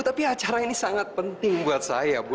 tapi acara ini sangat penting buat saya bu